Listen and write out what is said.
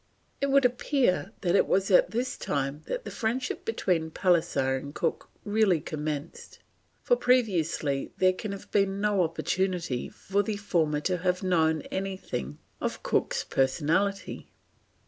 It would appear that it was at this time that the friendship between Pallisser and Cook really commenced, for previously there can have been no opportunity for the former to have known anything of Cook's personality.